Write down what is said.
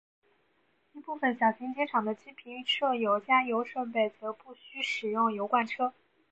一部份小型机场的机坪设有加油设备则不需使用油罐车。